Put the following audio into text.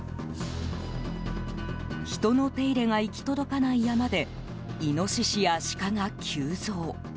人の手入れが行き届かない山でイノシシやシカが急増。